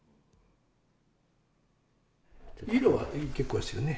色は大変結構ですよね。